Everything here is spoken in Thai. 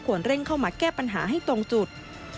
เร่งเข้ามาแก้ปัญหาให้ตรงจุด